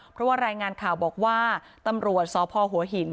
เพราะว่ารายงานข่าวบอกว่าตำรวจสพหัวหิน